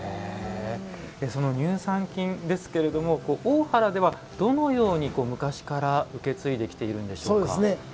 その乳酸菌ですけども大原では、どのように昔から受け継いできてるんでしょうか？